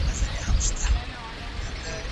ماهیان بې اوبو ژوندي نه پاتي کېږي.